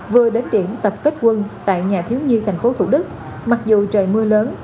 vừa đến điểm tập kết quân tại nhà thiếu nhi thành phố thủ đức mặc dù trời mưa lớn